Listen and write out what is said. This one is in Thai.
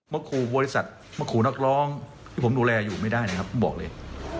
มาขู่บริษัทมาขู่นักร้องที่ผมดูแลอยู่ไม่ได้นะครับบอกเลย